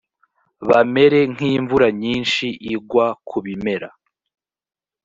bamere nk’imvura nyinshi igwa ku bimera